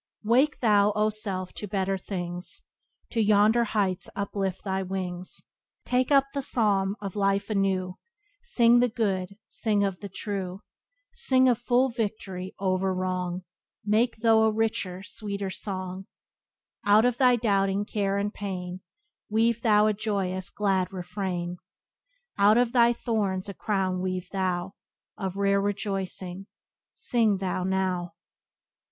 "Wake thou, 0 self, to better things; To yonder heights uplift thy wings; Take up the psalm of life anew; Sing of the good, sing of the true; Sing of full victory o'er wrong; Byways to Blessedness by James Allen 18 Make though a richer, sweeter song; Out of thy doubting, care and pain Weave thou a joyous, glad refrain; Out of thy thorns a crown weave thou Of rare rejoicing. Sing thou, now."